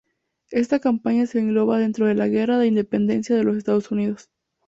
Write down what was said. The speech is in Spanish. Esta campaña se engloba dentro de la Guerra de Independencia de los Estados Unidos.